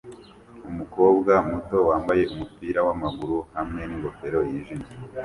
Umukobwa muto wambaye umupira wamaguru hamwe ningofero yijimye